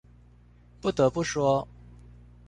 不得不說